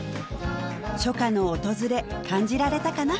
初夏の訪れ感じられたかな